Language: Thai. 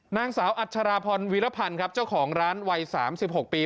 นางสาวอัชราพรวีรพันธ์ครับเจ้าของร้านวัย๓๖ปี